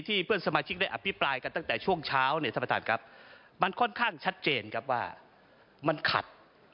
ที่เพื่อนสมาชิกได้อภิปรายกันตั้งแต่ช่วงเช้ามันค่อนข้างชัดเจนว่ามันขัด